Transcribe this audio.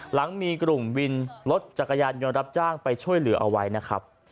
หลังมีกลุ่มวินรถจักรยานยนต์รับจ้างไปช่วยเหลือเอาไว้นะครับ